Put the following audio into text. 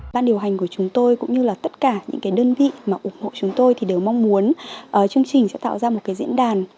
ban điều hành của chúng tôi cũng như là tất cả những cái đơn vị mà ủng hộ chúng tôi thì đều mong muốn chương trình sẽ tạo ra một cái diễn đàn